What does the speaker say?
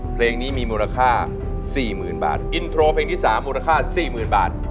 เพลงนี้มีมูลค่าสี่หมื่นบาทอินโทรเพลงที่สามมูลค่าสี่หมื่นบาท